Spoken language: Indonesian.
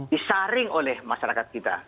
disaring oleh masyarakat kita